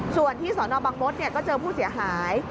ส่วนที่สนบังมศก็เจอผู้เสียหาย